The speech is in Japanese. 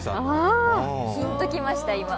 ピンときました。